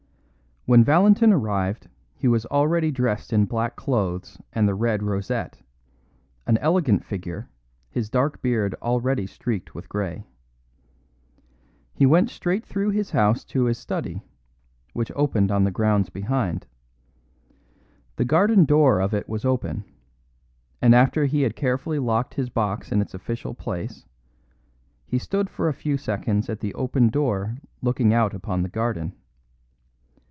When Valentin arrived he was already dressed in black clothes and the red rosette an elegant figure, his dark beard already streaked with grey. He went straight through his house to his study, which opened on the grounds behind. The garden door of it was open, and after he had carefully locked his box in its official place, he stood for a few seconds at the open door looking out upon the garden.